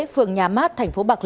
phường nhà mát